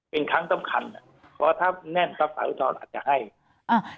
เป็นครั้งต้องคันอ่ะเพราะถ้าแน่นต้องขออุทธรณ์อาจจะให้อ่า